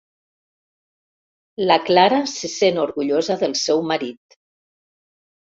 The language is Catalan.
La Clara se sent orgullosa del seu marit.